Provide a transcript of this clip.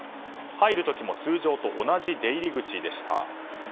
入る時も通常と同じ出入り口でした。